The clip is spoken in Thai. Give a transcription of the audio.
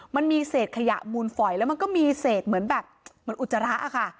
มันมีเศษขยะมูลฝอยแล้วมันก็มีเศษเหมือนแบบเหมือนอุจจาระค่ะ